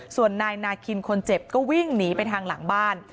ส่วนนายนาคินคนเจ็บก็วิ่งหนีไปทางหลังบ้าน